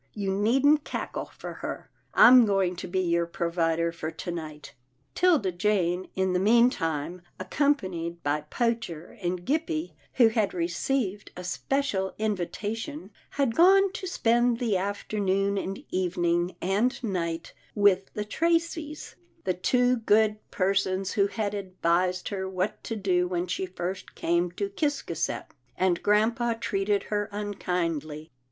You needn't cackle for her. I'm going to be your provider for to night." 'Tilda Jane, in the meantime, accompanied by Poacher and Gippie, who had received a special GRAMPA'S DREAM 239 invitation, had gone to spend the afternoon and evening and night with the Tracys — the two good persons who had advised her what to do when she first came to Ciscasset, and grampa treated her unkindly.